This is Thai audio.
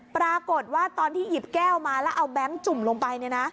ปรากฏว่าตอนที่หยิบแก้วมาแล้วเอาแก๊งจุ่มลงไป